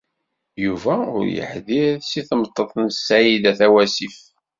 Yuba ur yeḥdiṛ deg temḍelt n Saɛida Tawasift.